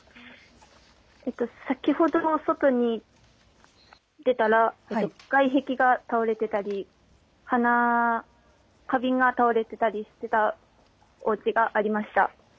先ほど外に出たら外壁が倒れていたり花瓶が倒れたりしていたおうちがありました。